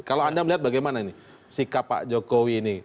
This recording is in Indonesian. kalau anda melihat bagaimana ini sikap pak jokowi ini